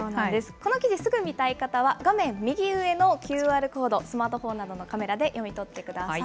この記事、すぐ見たい方は、画面右上のＱＲコード、スマートフォンなどのカメラで読み取ってください。